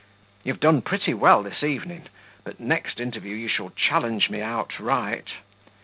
You've done pretty well this evening, but next interview you shall challenge me outright.